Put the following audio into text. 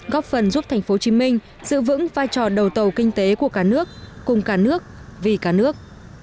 góp phần giúp tp hcm giữ vững vai trò đầu tàu kinh tế của cả nước cùng cả nước vì cả nước